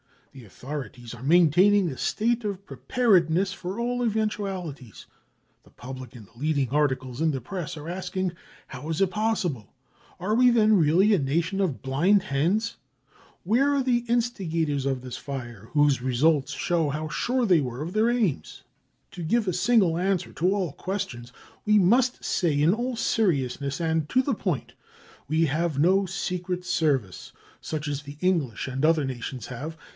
The authorities are maintaining a state of preparedness for all eventualities. The public and the leading articles in the Press are asking : Plow was it possible ? Are we then really a nation of blind hens ? Where are the instigators of this fire, whose cesults show how sure they were of their aims ? To give a single answer to all questions, we must say in all seriousness and to the point : We have no secret service such as the English and other nations have.